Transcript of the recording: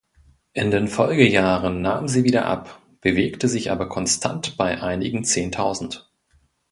In den Folgejahren nahm sie wieder ab, bewegte sich aber konstant bei einigen Zehntausend.